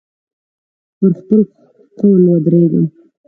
پر خپل قول ودرېږم.